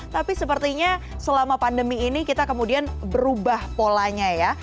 tapi sepertinya selama pandemi ini kita kemudian berubah polanya ya